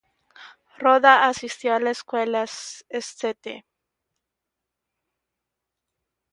Rhoda asistió a la escuela St.